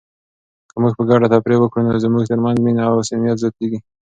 که موږ په ګډه تفریح وکړو نو زموږ ترمنځ مینه او صمیمیت زیاتیږي.